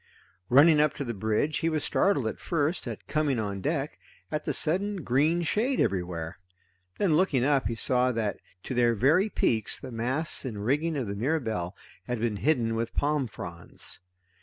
Running up to the bridge he was startled at first, at coming on deck, at the sudden green shade everywhere. Then looking up he saw that to their very peaks the masts and rigging of the Mirabelle had been hidden with palm fronds.